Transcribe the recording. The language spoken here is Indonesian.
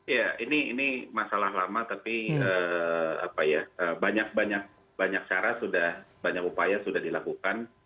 ya ini masalah lama tapi banyak banyak cara banyak upaya sudah dilakukan